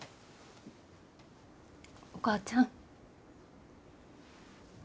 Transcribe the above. お母ちゃん。